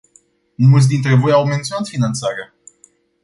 Mulți dintre voi au menționat finanțarea.